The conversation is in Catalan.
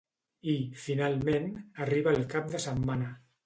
I, finalment, arriba el cap de setmana